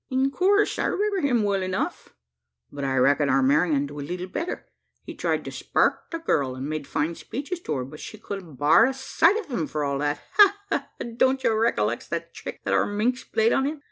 "In coorse, I remember him well enough; but I reckon our Marian do a leetle better. He tried to spark the gurl, an' made fine speeches to her; but she couldn't bar the sight o' him for all that. Ha! ha! ha. Don't ye recollex the trick that ar minx played on him?